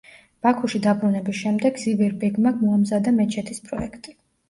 ბაქოში დაბრუნების შემდეგ, ზივერ ბეგმა მოამზადა მეჩეთის პროექტი.